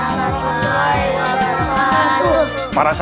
sebelumnya ustadz akan memberikan pembahasan untuk ustadz musa